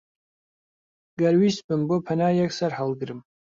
گەر ویستبم بۆ پەنایەک سەرهەڵگرم،